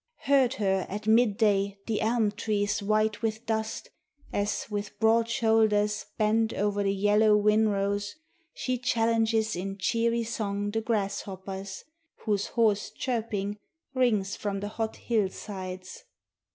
Heard her at mid day the elm trees white with dust, as, with broad shoulders bent o'er the yellow winrows, she challenges in cheery song the grasshoppers, whose hoarse chirping rings from the hot hillsides.